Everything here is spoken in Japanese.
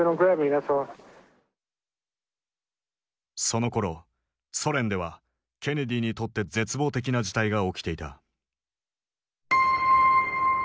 そのころソ連ではケネディにとって絶望的な事態が起きていた。